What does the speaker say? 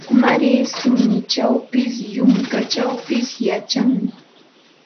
Ukumaari suninchawpis, yunkachawpis yachanmi.